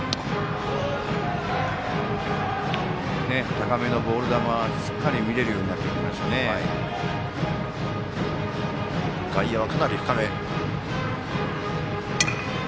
高めのボール球はしっかり見れるように外野はかなり深め。